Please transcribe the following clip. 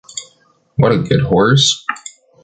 What a good horse ?